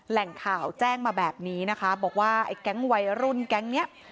แหล่งข่าวแจ้งมาแบบนี้นะคะบอกว่าไอ้แก๊งวัยรุ่นแก๊งเนี้ย